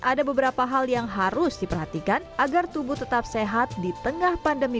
ada beberapa hal yang harus diperhatikan agar tubuh tetap sehat di tengah pandemi